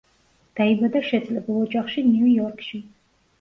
დაიბადა შეძლებულ ოჯახში ნიუ-იორკში.